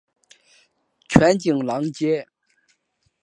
全景廊街。